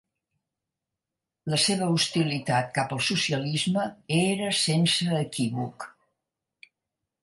La seva hostilitat cap al socialisme era sense equívoc.